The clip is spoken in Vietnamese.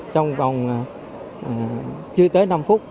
trong vòng chưa tới năm phút